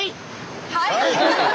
はい！